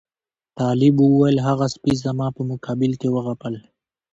طالب وویل هغه سپي زما په مقابل کې وغپل.